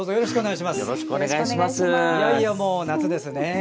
いよいよもう夏ですね。